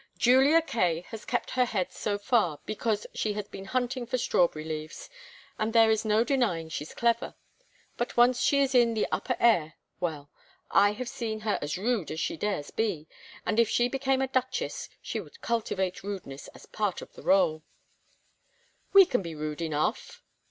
Julia Kaye has kept her head so far because she has been hunting for strawberry leaves, and there is no denying she's clever; but once she is in the upper air well, I have seen her as rude as she dares be, and if she became a duchess she would cultivate rudeness as part of the rôle." "We can be rude enough."